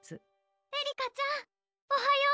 えりかちゃんおはよう！